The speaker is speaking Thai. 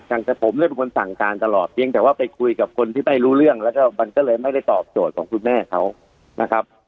อย่างแต่ผมเนี่ยเป็นคนสั่งการตลอดเพียงแต่ว่าไปคุยกับคนที่ไม่รู้เรื่องแล้วก็มันก็เลยไม่ได้ตอบโจทย์ของคุณแม่เขานะครับ